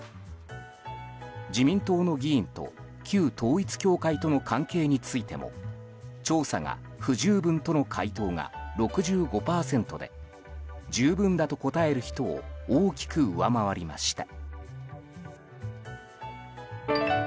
自民党の議員と旧統一教会との関係についても調査が不十分との回答が６５％で十分だと答える人を大きく上回りました。